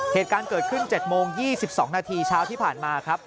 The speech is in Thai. เหตุการณ์เกิดขึ้น๗โมง๒๒นาทีเช้าที่ผ่านมาครับ